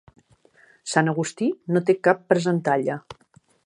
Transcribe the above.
Sant Agustí no té cap presentalla.